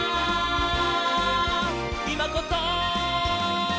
「いまこそ！」